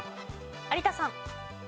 有田さん。